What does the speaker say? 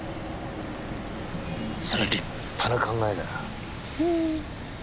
そりゃ立派な考えだ。